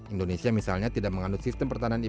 indonesia misalnya tidak mengandung sistem pertahanan ibu kota